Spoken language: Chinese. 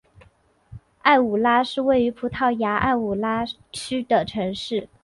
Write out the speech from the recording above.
埃武拉是位于葡萄牙埃武拉区的城市。